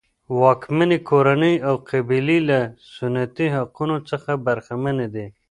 واکمنې کورنۍ او قبیلې له سنتي حقونو څخه برخمنې دي.